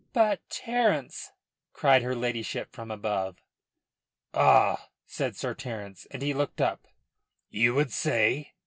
"But, Terence " cried her ladyship from above. "Ah?" said Sir Terence, and he looked up. "You would say